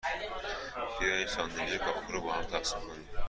بیا این ساندویچ کاهو را باهم تقسیم کنیم.